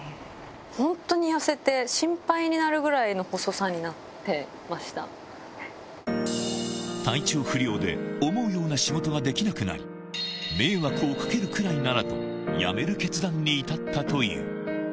本当に痩せて、心配になるぐ体調不良で思うような仕事ができなくなり、迷惑をかけるくらいならと、辞める決断に至ったという。